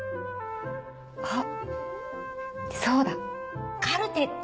あっそうだ！カルテット？